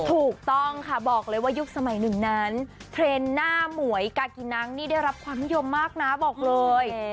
ถูกต้องค่ะบอกเลยว่ายุคสมัยหนึ่งนั้นเทรนด์หน้าหมวยกากินังนี่ได้รับความนิยมมากนะบอกเลย